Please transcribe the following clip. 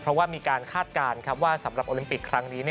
เพราะว่ามีการคาดการณ์ว่าสำหรับโอลิมปิกครั้งนี้